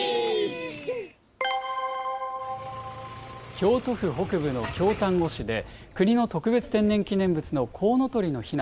京都府北部の京丹後市で、国の特別天然記念物のコウノトリのヒナ